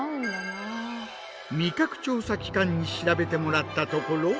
味覚調査機関に調べてもらったところ